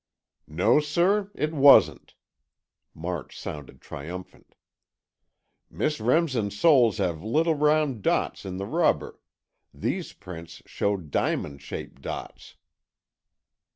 "No, sir, it wasn't!" March sounded triumphant. "Miss Remsen's soles have little round dots in the rubber, these prints showed diamond shaped dots."